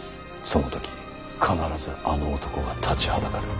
その時必ずあの男が立ちはだかる。